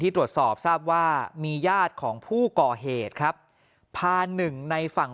ตรวจสอบทราบว่ามีญาติของผู้ก่อเหตุครับพาหนึ่งในฝั่ง